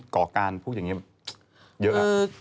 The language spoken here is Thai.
ก่อการพวกอย่างนี้เยอะ